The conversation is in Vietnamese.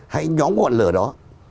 hãy nhóm ngọn lửa đó